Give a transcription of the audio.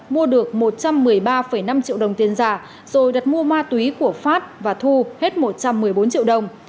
mua được một trăm một mươi ba năm triệu đồng tiền giả rồi đặt mua ma túy của phát và thu hết một trăm một mươi bốn triệu đồng